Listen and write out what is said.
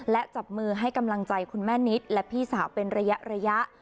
และจับมือให้กำลังใจคุณแม่นิดและพี่สาวเป็นระยะ